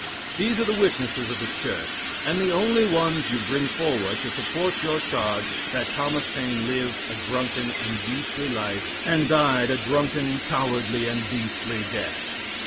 These are the witnesses of the church, and the only ones you bring forward to support your charge that Thomas Paine lived a drunken and beastly life, and died a drunken, cowardly, and beastly death.